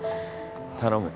頼む。